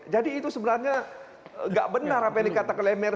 jadi itu sebenarnya nggak benar apa yang dikatakan lemir